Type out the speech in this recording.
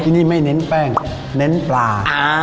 ที่นี่ไม่เน้นแป้งเน้นปลา